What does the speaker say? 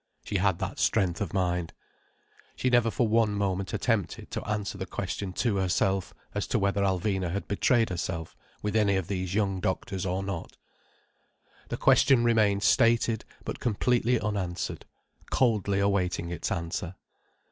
She had that strength of mind. She never for one moment attempted to answer the question to herself, as to whether Alvina had betrayed herself with any of these young doctors, or not. The question remained stated, but completely unanswered—coldly awaiting its answer.